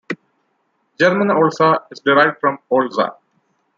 German "Olsa" is derived from "Olza".